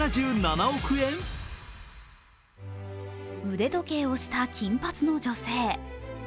腕時計をした金髪の女性。